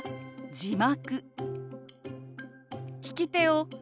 「字幕」。